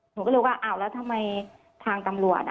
หนูก็เรียกว่าทำไมทางตำรวจ